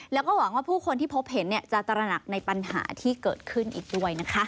แล้วก็หวังว่าผู้คนที่พบเห็นจะตระหนักในปัญหาที่เกิดขึ้นอีกด้วยนะคะ